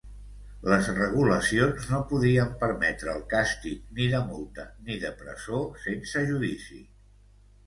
Les regulacions no podien permetre el càstig ni de multa ni de presó sense judici.